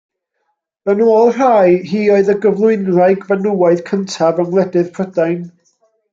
Yn ôl rhai, hi oedd y gyflwynwraig fenywaidd cyntaf yng ngwledydd Prydain.